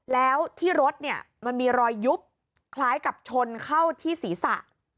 แล้วที่รถเนี่ยมันมีรอยยุบคล้ายกับชนเข้าที่ศีรษะ